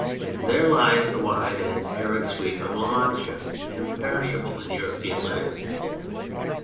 There lies the wide and arid sweep of La Mancha, imperishable in European letters.